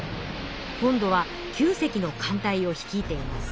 今度は９隻の艦隊を率いています。